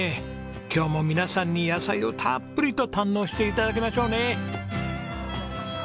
今日も皆さんに野菜をたっぷりと堪能して頂きましょうね！